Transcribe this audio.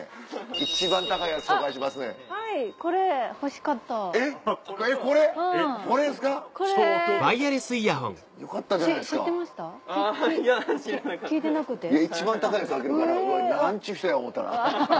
一番高いやつ挙げるから何ちゅう人や思うたらハハハ。